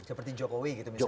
seperti jokowi gitu misalnya